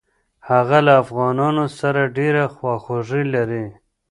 هغه له افغانانو سره ډېره خواخوږي لري.